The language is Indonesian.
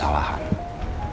dengan cara yang lain